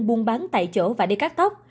buôn bán tại chỗ và để cắt tóc